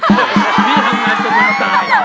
พี่ทำงานจนกลัวตาย